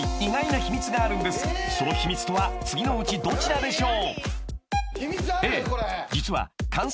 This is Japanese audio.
［その秘密とは次のうちどちらでしょう？］